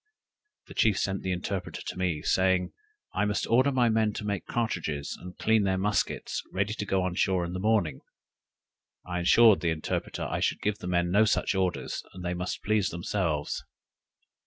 The chief sent the interpreter to me, saying, I must order my men to make cartridges and clean their muskets, ready to go on shore in the morning. I assured the interpreter I should give the men no such orders, that they must please themselves.